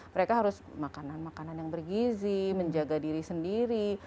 mereka harus makanan makanan yang bergizi menjaga diri sendiri